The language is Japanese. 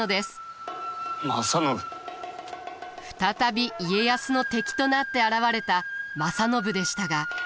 再び家康の敵となって現れた正信でしたが。